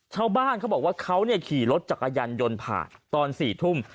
ชาวบ้านเขาบอกว่าเขาขี่รถจักรยานยนต์ผ่านตอน๔ทุ่ม